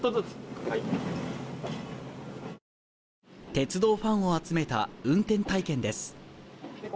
鉄道ファンを集めた運転体験です。